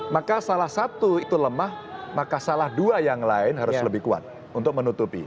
maka salah satu itu lemah maka salah dua yang lain harus lebih kuat untuk menutupi